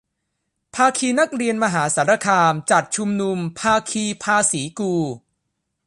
ภาคีนักเรียนมหาสารคาม จัดชุมนุม ภาคีภาษีกู